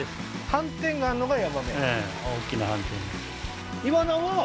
斑点があるのがヤマメ？